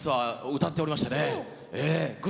やっておりましたね。